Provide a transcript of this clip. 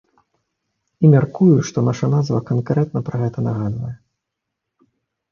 І мяркую, што наша назва канкрэтна пра гэта нагадвае.